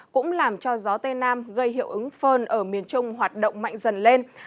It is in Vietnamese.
cũng làm cho gió tây nam gây hiệu ứng phơn ở miền trung hoạt động mạnh dần lên